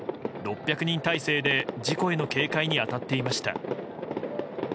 ６００人態勢で事故への警戒に当たっていました。